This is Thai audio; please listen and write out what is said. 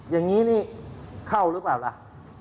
อย่างนี้เข้าหรือเปล่า